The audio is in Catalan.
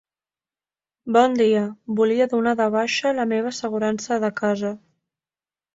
Bon dia, volia donar de baixa la meva assegurança de casa.